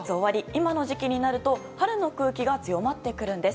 今の時期になると春の空気が強まってくるんです。